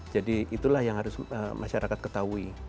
jadi itulah yang harus masyarakat ketahui